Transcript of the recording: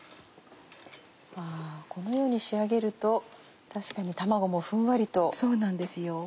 このように仕上げると確かに卵もふんわりと。